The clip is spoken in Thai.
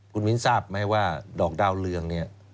คุณมิ้นทราบไหมว่าดอกดาวเรืองเนี่ย